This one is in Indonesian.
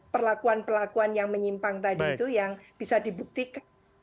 perlakuan perlakuan yang menyimpang tadi itu yang bisa dibuktikan